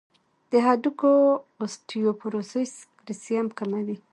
د هډوکو اوسټيوپوروسس کلسیم کموي.